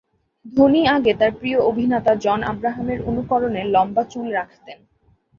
ধোনি আগে তার প্রিয় অভিনেতা জন আব্রাহামের অনুকরণে লম্বা চুল রাখতেন।